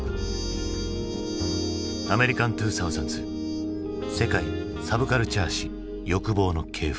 アメリカン２０００ｓ「世界サブカルチャー史欲望の系譜」。